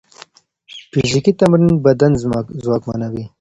فزیکي تمرین بدن ځواکمنوي.